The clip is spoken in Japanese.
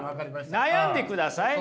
悩んでください。